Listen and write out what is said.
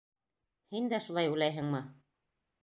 Һин дә... шулай уйлайһыңмы?